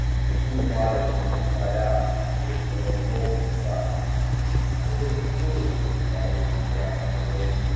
A human body turned inside out isn't the most wholesome of sights. "How did they get through?" Chase muttered as we put out our probe.